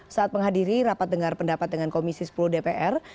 saat menghadiri rapat dengar pendapat dengan komisi sepuluh dpr